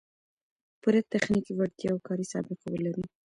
پوره تخنیکي وړتیا او کاري سابقه و لري